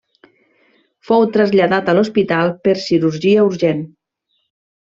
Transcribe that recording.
Fou traslladat a l'hospital per cirurgia urgent.